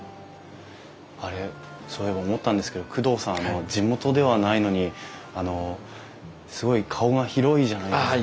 あれそういえば思ったんですけど工藤さんは地元ではないのにあのすごい顔が広いじゃないですか。